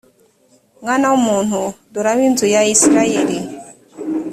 mwana w umuntu dore ab inzu ya isirayeli